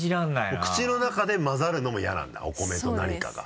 もう口の中でまざるのも嫌なんだお米と何かが。